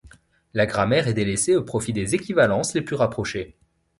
La grammaire est délaisée au profit des équivalences les plus rapprochées.